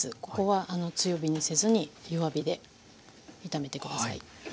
ここは強火にせずに弱火で炒めて下さい。